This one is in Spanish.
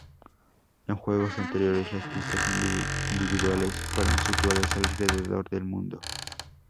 En juegos anteriores, las pistas individuales fueron situadas alrededor del mundo.